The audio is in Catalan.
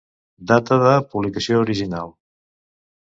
Data de publicació original.